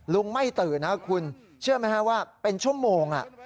ไม่ตื่นนะคุณเชื่อไหมฮะว่าเป็นชั่วโมง